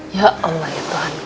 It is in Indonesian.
ya allah ya tuhan